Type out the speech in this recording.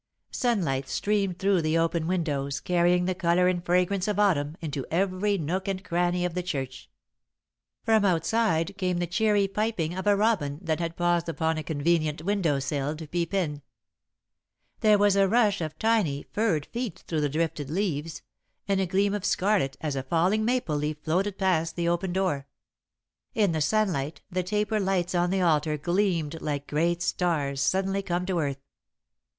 Sunlight streamed through the open windows, carrying the colour and fragrance of Autumn into every nook and cranny of the church. From outside came the cheery piping of a robin that had paused upon a convenient window sill to peep in. There was a rush of tiny, furred feet through the drifted leaves, and a gleam of scarlet as a falling maple leaf floated past the open door. In the sunlight the taper lights on the altar gleamed like great stars suddenly come to earth.